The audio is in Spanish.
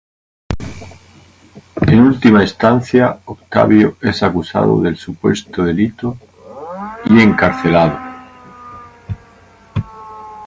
En última instancia, Octavio es acusado del supuesto delito y encarcelado.